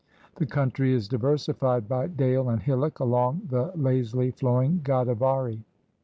The country is diversified by dale and hillock along the lazily flowing Godavari.